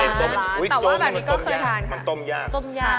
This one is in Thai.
แต่ว่าแบบนี้ก็เคยทานค่ะ